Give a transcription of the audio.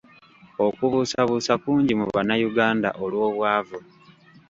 Okubuusabuusa kungi mu Bannayuganda olw’obwavu.